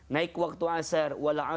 naik waktu asar